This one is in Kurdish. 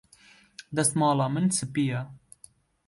Destmala min spî ye.